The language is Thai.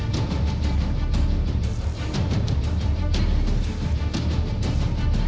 มันต้องกลับไปแล้ว